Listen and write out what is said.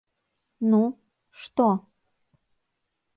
- Ну, што?